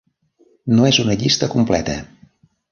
No és una llista completa.